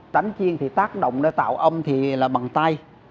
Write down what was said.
đánh chiên thì tác động để tạo âm thì là bằng tay